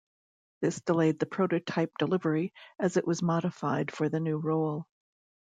This delayed the prototype delivery as it was modified for the new role.